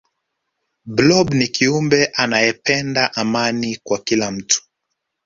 blob ni kiumbe anayependa amani kwa kila mtu